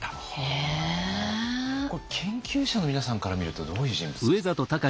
これ研究者の皆さんから見るとどういう人物ですか？